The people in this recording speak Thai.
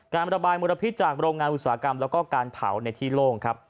การระบายมุรพิษจากโรงงานอุตสาหกรรมและการเผาในที่โล่ง